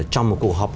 trong một cuộc họp